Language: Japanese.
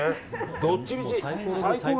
どっちみち。